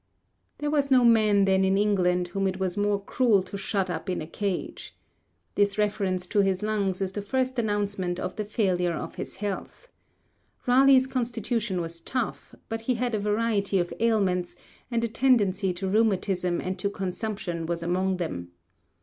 There was no man then in England whom it was more cruel to shut up in a cage. This reference to his lungs is the first announcement of the failure of his health. Raleigh's constitution was tough, but he had a variety of ailments, and a tendency to rheumatism and to consumption was among them.